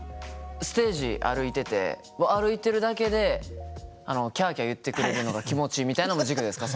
ステージ歩いてて歩いてるだけでキャキャ言ってくれるのが気持ちいいみたいのも軸ですか？